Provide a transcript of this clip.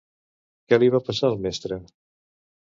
Què li va passar al mestre?